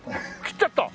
切っちゃった！？